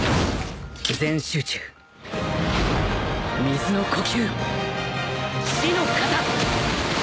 全集中水の呼吸肆ノ型！